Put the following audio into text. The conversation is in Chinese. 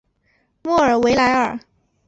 莫尔维莱尔。